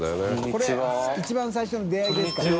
これ一番最初の出会いですから。